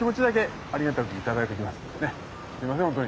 すいません本当に。